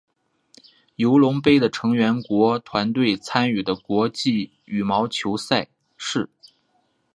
尤伯杯的成员国团队参与的国际羽毛球赛事。